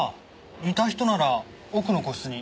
似た人なら奥の個室に。